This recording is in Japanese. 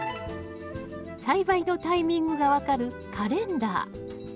栽培のタイミングが分かるカレンダー